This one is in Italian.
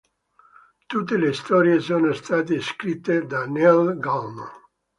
Tute le storie sono state scritte da Neil Gaiman.